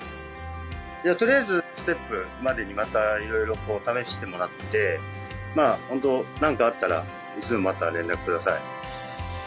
とりあえずステップまでにまたいろいろ試してもらってまぁホントなんかあったらいつでもまた連絡ください。